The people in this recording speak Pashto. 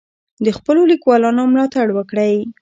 د خپلو لیکوالانو ملاتړ وکړئ.